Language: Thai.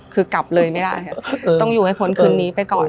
คือกลับเลยไม่ได้ต้องอยู่ให้พ้นคืนนี้ไปก่อน